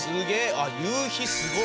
あっ夕日すごい！